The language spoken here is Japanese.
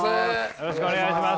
よろしくお願いします。